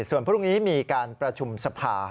ส่วนพรุ่งนี้มีการประชุมสภา